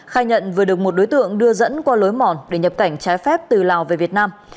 khai nhận vừa được một đối tượng đưa dẫn qua lối mòn để nhập cảnh trái phép từ lào về việt nam